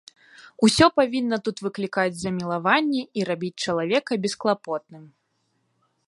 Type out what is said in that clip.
Усё павінна тут выклікаць замілаванне і рабіць чалавека бесклапотным.